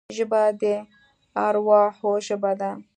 ژبه د ارواحو ژبه ده